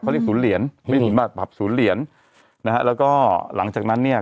เขาเรียกศูนย์เหรียญศูนย์เหรียญนะฮะแล้วก็หลังจากนั้นเนี่ย